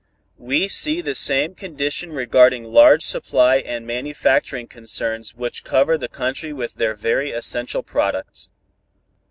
"We see the same condition regarding large supply and manufacturing concerns which cover the country with their very essential products.